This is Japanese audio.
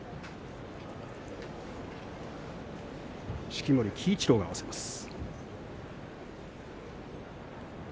式守鬼一郎が合わせます。